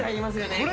これ。